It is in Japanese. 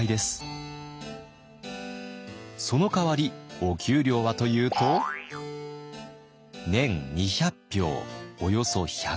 そのかわりお給料はというと年２００俵およそ１００石。